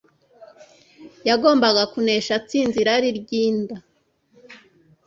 yagombaga kunesha atsinze irari ryinda